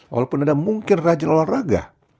walaupun ada mungkin rajin olahraga